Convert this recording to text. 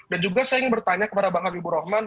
dan juga saya ingin bertanya kepada bang habibur rahman